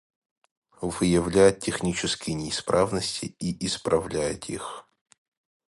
Выявлять технические неисправности и исправлять их